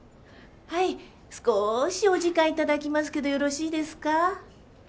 はい少しお時間いただきますけどよろしいですか？